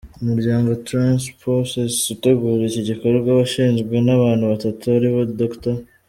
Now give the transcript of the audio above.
Umuryango Trans Poesis utegura iki gikorwa washinzwe n’abantu batatu aribo Dr.